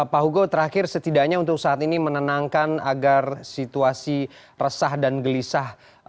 pak hugo terakhir setidaknya untuk saat ini menenangkan agar situasi resah dan gelisah